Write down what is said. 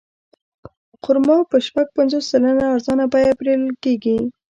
خرما په شپږ پنځوس سلنه ارزانه بیه پېرل کېده.